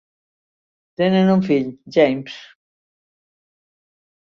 Tenen un fill: James.